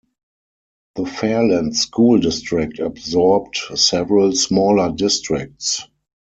The Fairland School district absorbed several smaller districts.